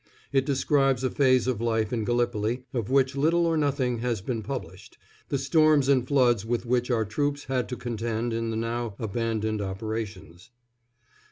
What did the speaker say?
It describes a phase of life in Gallipoli of which little or nothing has been published the storms and floods with which our troops had to contend in the now abandoned operations.